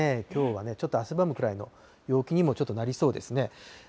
きょうはね、ちょっと汗ばむくらいの陽気にも、ちょっとなりそうですね。